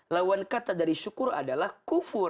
lawan kata dari syukur adalah kufur